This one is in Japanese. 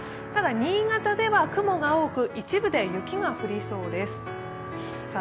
ただ新潟では雲が多く一部で雪が降りそうです。